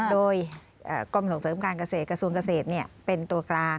โดยกรมส่งเสริมการเกษตรกระทรวงเกษตรเป็นตัวกลาง